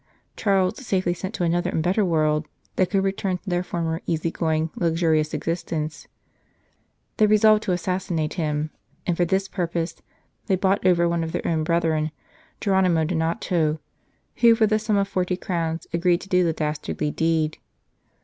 Charles safely sent to another and better world, they could return to their former easy going, luxurious existence. They resolved to assassinate him, and for this purpose they bought over one of their own brethren, Geronimo Donato, who for the sum of forty crowns agreed to do the dastardly deed.